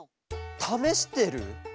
ためしてる？